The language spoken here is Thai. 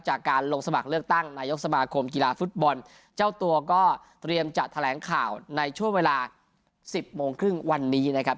จากการลงสมัครเลือกตั้งนายกสมาคมกีฬาฟุตบอลเจ้าตัวก็เตรียมจะแถลงข่าวในช่วงเวลาสิบโมงครึ่งวันนี้นะครับ